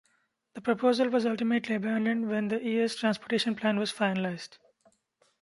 The proposal was ultimately abandoned when the year's transportation plan was finalized.